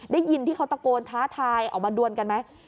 ได้ยินที่เขาตะโกนท้าทายออกมาดวนกันไหม